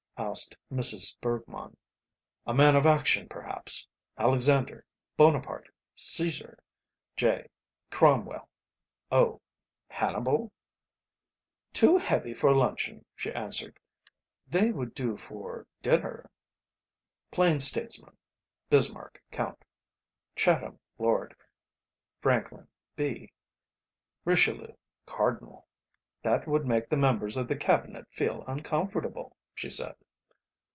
asked Mrs. Bergmann. "A man of action, perhaps? Alexander, Bonaparte, Caesar, J., Cromwell, O., Hannibal?" "Too heavy for luncheon," she answered, "they would do for dinner." "Plain statesman? Bismarck, Count; Chatham, Lord; Franklin, B; Richelieu, Cardinal." "That would make the members of the Cabinet feel uncomfortable," she said.